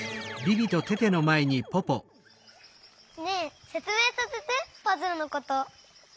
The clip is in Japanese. ねえせつめいさせてパズルのこと。